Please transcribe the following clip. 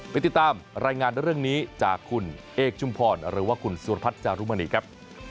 ไปติดตามรายงานเรื่องนี้จากคุณเอกชุมพรหรือว่าคุณสุรพัฒน์จารุมณีครับ